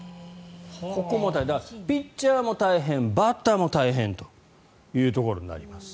ピッチャーも大変バッターも大変というところになります。